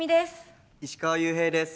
石川裕平です。